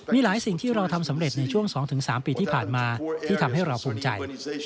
มีหลายสิ่งที่เราทำสำเร็จในช่วง๒๓ปีที่ผ่านมาที่ทำให้เราภูมิใจ